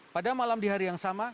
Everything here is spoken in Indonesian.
pada malam di hari yang sama